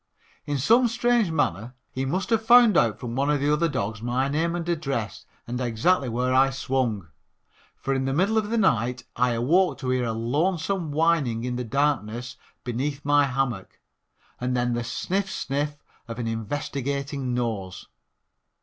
In some strange manner he must have found out from one of the other dogs my name and address and exactly where I swung, for in the middle of the night I awoke to hear a lonesome whining in the darkness beneath my hammock and then the sniff, sniff of an investigating nose.